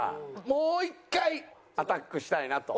もう１回アタックしたいなと。